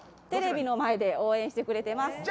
テレビの前で応援してくれています。